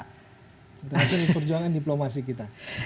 terima kasih diperjuangkan diplomasi kita